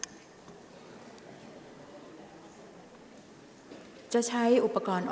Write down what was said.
ออกรางวัลเลขหน้า๓ตัวครั้งที่๒